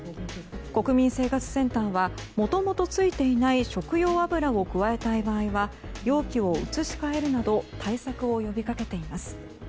国民生活センターはもともとついていない食用油を加えたい場合は容器を移し替えるなど対策を呼び掛けています。